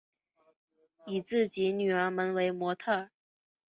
以自己女儿们为模特儿